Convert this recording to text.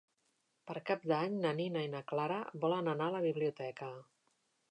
Per Cap d'Any na Nina i na Clara volen anar a la biblioteca.